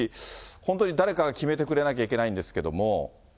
本当に誰かが決めてくれなきゃいけないんですけれども。